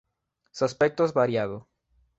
Su aspecto es variado.